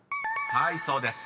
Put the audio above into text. ［はいそうです］